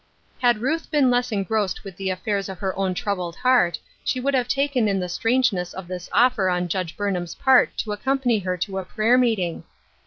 Had Ruth been less engrossed with the affairs of her own troubled heart she would have taken in the strangeness of this offer on Judge Burn ham's part to accompany her to a prayer meeting.